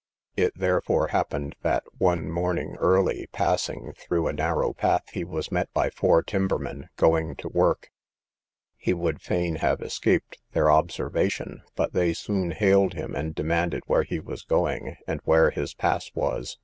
It therefore happened, that one morning early, passing through a narrow path, he was met by four timbermen, going to work; he would fain have escaped their observation, but they soon hailed him, and demanded where he was going, and where his pass was?